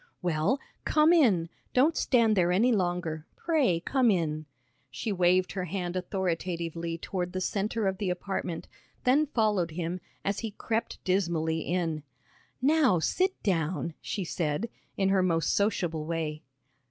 "Well, come in. Don't stand there any longer. Pray come in." She waved her hand authoritatively toward the centre of the apartment, then followed him, as he crept dismally in. "Now sit down," she said, in her most sociable way.